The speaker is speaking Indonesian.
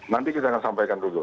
nanti kita akan sampaikan dulu